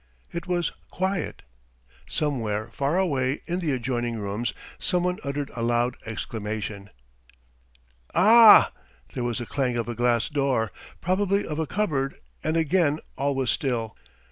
It was quiet. ... Somewhere far away in the adjoining rooms someone uttered a loud exclamation: "Ah!" There was a clang of a glass door, probably of a cupboard, and again all was still.